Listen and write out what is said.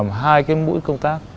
làm hai cái mũi công tác